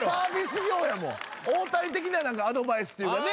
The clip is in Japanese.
大谷的なアドバイスっていうかね